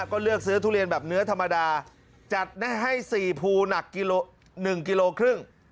ก็เลือกซื้อทุเรียนแบบเนื้อธรรมดาจัดให้๔ภูหนักกิโล๑กิโลครึ่ง